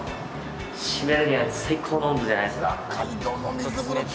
締めるには最高の温度じゃないですか。